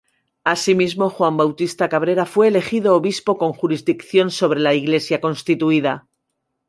Asimismo, Juan Bautista Cabrera fue elegido obispo con jurisdicción sobre la Iglesia constituida.